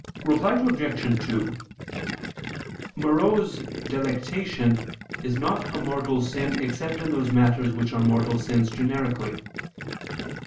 Reply Obj. 2: Morose delectation is not a mortal sin except in those matters which are mortal sins generically.